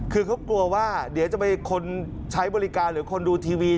คือเขากลัวว่าเดี๋ยวจะไปคนใช้บริการหรือคนดูทีวี